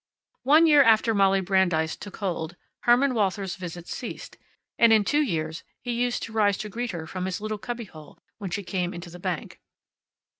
One year after Molly Brandeis took hold, Herman Walthers' visits ceased, and in two years he used to rise to greet her from his little cubbyhole when she came into the bank.